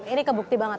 ini kebukti banget